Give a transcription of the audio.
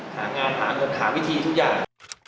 หางานหาเงินหาวิธีทุกอย่าง